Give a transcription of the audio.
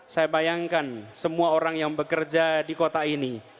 saya bayangkan semua orang yang bekerja di kota ini